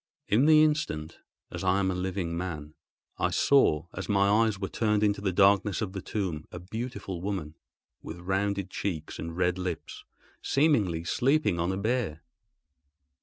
In the instant, as I am a living man, I saw, as my eyes were turned into the darkness of the tomb, a beautiful woman, with rounded cheeks and red lips, seemingly sleeping on a bier.